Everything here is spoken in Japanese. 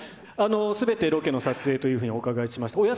すべてロケの撮影というふうにお伺いしました。